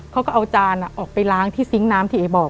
เขาก็เอาจานออกไปล้างที่ซิงค์น้ำที่เอ๋บอก